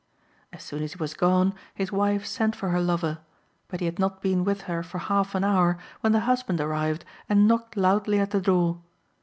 As soon as he was gone, his wife sent for her lover, but he had not been with her for half an hour when the husband arrived and knocked loudly at the door.